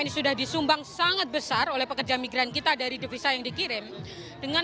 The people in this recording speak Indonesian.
ini sudah disumbang sangat besar oleh pekerja migran kita dari devisa yang dikirim dengan